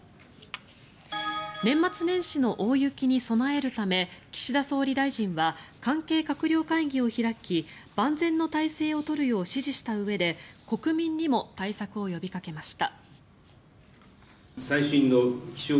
年末年始の大雪に備えるため岸田総理大臣は関係閣僚会議を開き万全の態勢を取るよう指示したうえで国民にも対策を呼びかけました。